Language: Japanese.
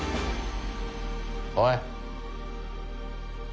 おい！